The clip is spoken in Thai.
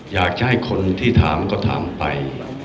อยากจะให้คนที่ถามก็ถามไป